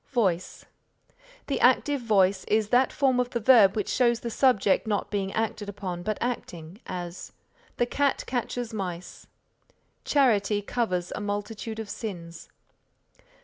VOICE The active voice is that form of the verb which shows the Subject not being acted upon but acting; as, "The cat catches mice." "Charity covers a multitude of sins."